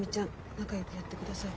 仲よくやってください。